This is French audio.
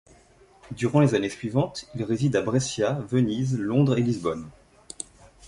Durant les années suivantes, il réside à Brescia, Venise, Londres et Lisbonne.